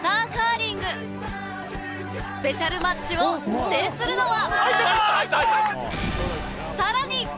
スペシャルマッチを制するのは？